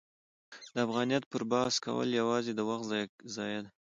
د افغانیت پر بحث کول یوازې د وخت ضایع ده.